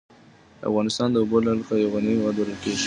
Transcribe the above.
افغانستان د اوبو له اړخه یو غنی هېواد بلل کېږی.